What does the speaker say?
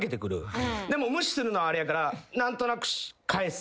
でも無視するのはあれやから何となく返す。